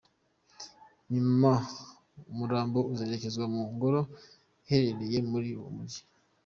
nyuma umurambo ukazerekezwa mu ngoro ihererereye muri uwo Mujyi.